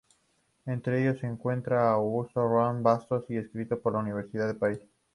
Entre ellos se encuentra Augusto Roa Bastos, el escritor más universal del país.